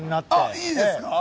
いいですか？